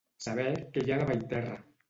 Saber què hi ha davall terra.